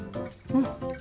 うん！